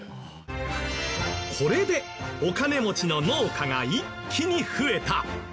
これでお金持ちの農家が一気に増えた。